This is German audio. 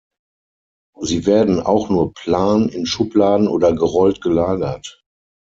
Sie werden auch nur plan in Schubladen oder gerollt gelagert.